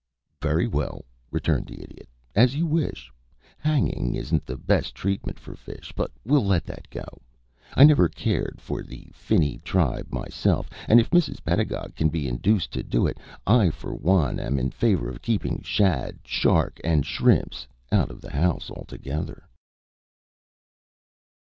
"Very well," returned the idiot; "as you wish. Hanging isn't the best treatment for fish, but we'll let that go. I never cared for the finny tribe myself, and if Mrs. Pedagog can be induced to do it, I for one am in favor of keeping shad, shark, and shrimps out of the house altogether."